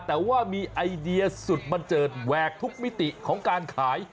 แต่ว่ามีไอเดียสุดบันเจิดแหวกทุกมิติของการขาย